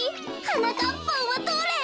はなかっぱんはどれ？